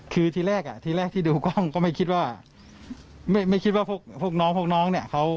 คือทีแรกอ่ะทีแรกที่ดูกล้องก็ไม่คิดว่าไม่คิดว่าพวกน้องพวกน้องเนี่ย